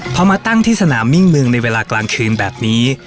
พอมาตั้งที่สนามมิ่งเมืองในเวลากลางคืนแบบนี้